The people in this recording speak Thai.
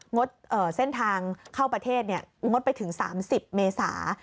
งดเส้นทางเข้าประเทศงดไปถึง๓๐เมษา